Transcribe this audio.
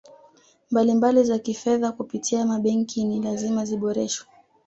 mbalimbali za Kifedha kupitia mabenki ni lazima ziboreshwe